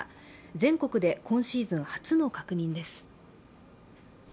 全国で今シーズン初の確認です。